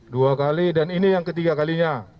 dua kali dan ini yang ketiga kalinya